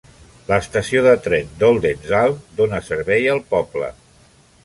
L'estació de tren d'Oldenzaal dona servei al poble.